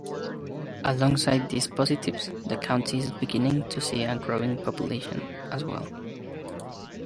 Alongside these positives, the county is beginning to see a growing population, as well.